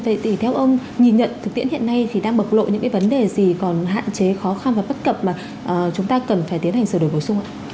vậy thì theo ông nhìn nhận thực tiễn hiện nay thì đang bộc lộ những cái vấn đề gì còn hạn chế khó khăn và bất cập mà chúng ta cần phải tiến hành sửa đổi bổ sung